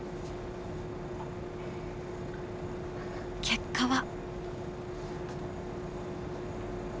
結果は？